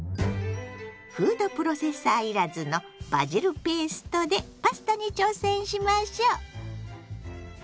フードプロセッサー要らずのバジルペーストでパスタに挑戦しましょ！